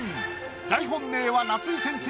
大本命は夏井先生